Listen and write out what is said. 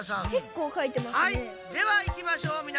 ではいきましょう。